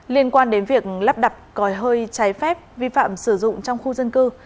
liên quan đến việc lắp đặt còi hơi trái phép vi phạm sử dụng trong khu dân cư